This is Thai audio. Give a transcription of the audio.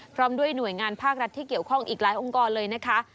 พร้อมด้วยหน่วยงานภาครัฐที่เกี่ยวข้องอีกหลายองค์กรเลยนะคะ